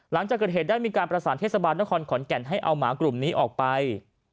หลังจากเกิดเหตุได้มีการประสานเทศบาลนครขอนแก่นให้เอาหมากลุ่มนี้ออกไป